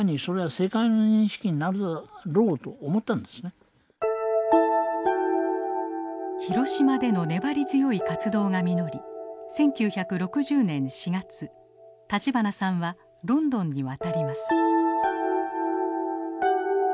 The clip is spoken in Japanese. それは要するに広島での粘り強い活動が実り１９６０年４月立花さんはロンドンに渡ります。